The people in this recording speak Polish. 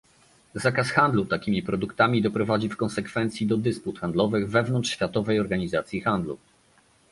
Zakaz handlu takimi produktami doprowadzi w konsekwencji do dysput handlowych wewnątrz Światowej Organizacji Handlu